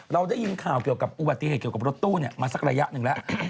เราได้ยินข่าวเกี่ยวกับอุบัติเหตุเกี่ยวกับรถตู้มาสักระยะหนึ่งแล้ว